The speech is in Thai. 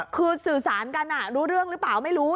คือสื่อสารกันรู้เรื่องหรือเปล่าไม่รู้